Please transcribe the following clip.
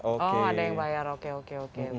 oh ada yang bayar oke oke